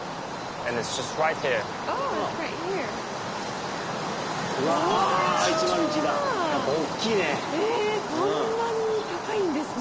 えっこんなに高いんですね。